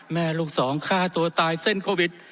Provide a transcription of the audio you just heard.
แม่ลูกสองฆ่าตัวตายเส้นโควิด